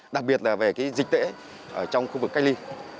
đặc biệt là về dịch tễ ở trong khu vực cách ly